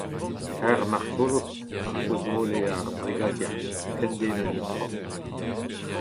Ur martolod, a c’hrozmole ar brigadier, un den a netra !